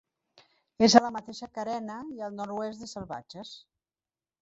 És a la mateixa carena i al nord-oest de Salvatges.